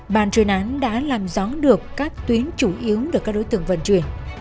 bàn truyền án đã làm gió được các tuyến chủ yếu được các đối tượng vận chuyển